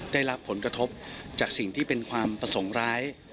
ได้รับผลกระทบจากสิ่งที่เป็นความประสงค์ร้าย